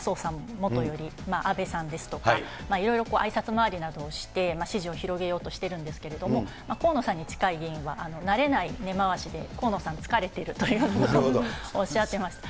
もとより、安倍さんですとか、いろいろあいさつ回りなどをして支持を広げようとしているんですけれども、河野さんに近い議員は慣れない根回しで河野さん、疲れているというようなことをおっしゃっていました。